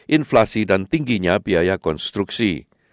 inflasi dan tingginya biaya konstruksi